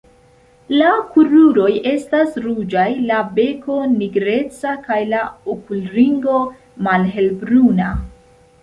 La kruroj estas ruĝaj, la beko nigreca kaj la okulringo malhelbruna.